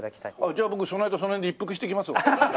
じゃあ僕その間その辺で一服してきますわ。